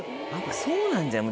そうなんじゃない？